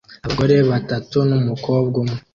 Abagore batatu n'umukobwa umwe